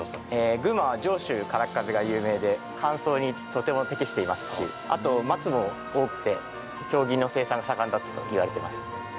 群馬は上州からっ風が有名で乾燥にとても適していますしあと、松も多くて、経木の生産が盛んだったといわれています。